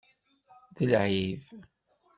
D lɛib.